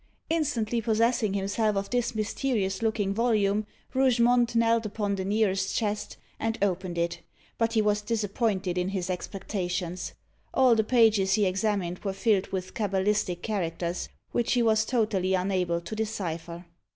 Instantly possessing himself of this mysterious looking volume, Rougemont knelt upon the nearest chest, and opened it. But he was disappointed in his expectation. All the pages he examined were filled with cabalistic characters, which he was totally unable to decipher.